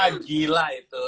wah gila itu